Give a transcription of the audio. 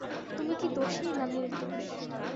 তুমি কি দোষী না নির্দোষ?